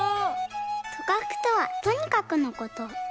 「とかく」とは「とにかく」のこと。